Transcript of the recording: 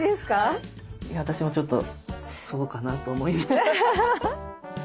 私もちょっとそうかなと思いながら。